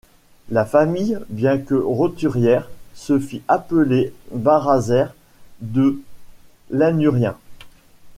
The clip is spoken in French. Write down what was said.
La famille, bien que roturière, se fit appeler Barazer de Lannurien.